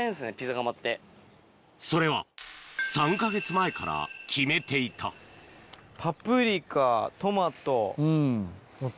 それは３か月前から決めていたいいっすね。